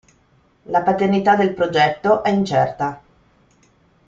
La paternità del progetto è incerta.